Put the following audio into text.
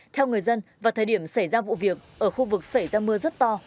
theo người dân vào thời điểm xảy ra vụ việc ở khu vực xảy ra mưa rất to